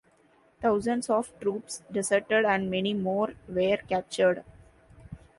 Thousands of troops deserted and many more were captured.